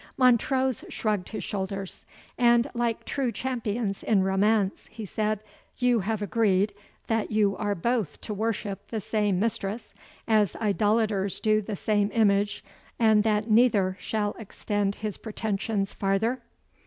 Montrose shrugged his shoulders. "And, like true champions in romance," he said, "you have agreed, that you are both to worship the same mistress, as idolaters do the same image, and that neither shall extend his pretensions farther?"